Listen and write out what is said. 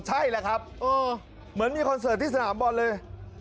ใช่แหละครับเหมือนมีคอนเสิร์ตที่สนามบอลเลย